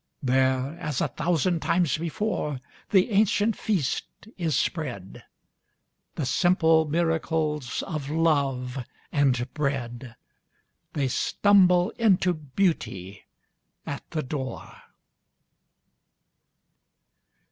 There, as a thousand times before. The ancient feast is spread — The simple miracles of love and bread. They stumble into beauty at the door.